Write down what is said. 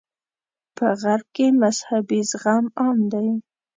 په غرب کې مذهبي زغم عام دی.